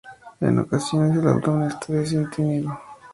En ocasiones el abdomen está distendido.